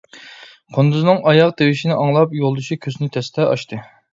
قۇندۇزنىڭ ئاياغ تىۋىشىنى ئاڭلاپ، يولدىشى كۆزىنى تەستە ئاچتى.